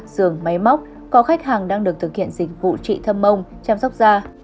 giường máy móc có khách hàng đang được thực hiện dịch vụ trị thâm mông chăm sóc da